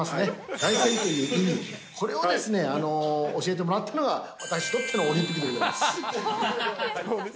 凱旋という意味、これをですね、教えてもらったのが私にとってのオリンピックでございます。